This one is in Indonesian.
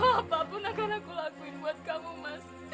apa pun akan aku lakuin buat kamu mas